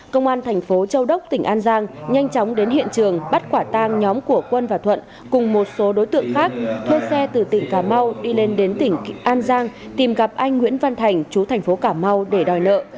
công an thành phố châu đốc tỉnh an giang nhanh chóng đến hiện trường bắt quả tang nhóm của quân và thuận cùng một số đối tượng khác thuê xe từ tỉnh cà mau đi lên đến tỉnh an giang tìm gặp anh nguyễn văn thành chú thành phố cà mau để đòi nợ